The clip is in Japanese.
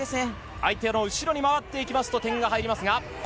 相手の後ろにまわっていきますと、点が入ります。